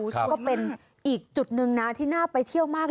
ก็เป็นอีกจุดหนึ่งนะที่น่าไปเที่ยวมาก